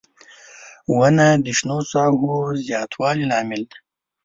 • ونه د شنو ساحو زیاتوالي لامل دی.